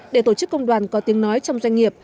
để tổ chức công đoàn có tiếng nói trong doanh nghiệp